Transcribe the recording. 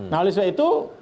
nah oleh sebab itu